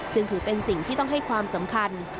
จึงถือเป็นสิ่งที่ต้องให้ความสำคัญ